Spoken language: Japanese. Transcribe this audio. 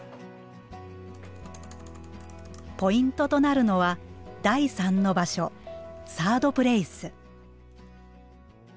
ポイントとなるのは第３の場所サードプレイス。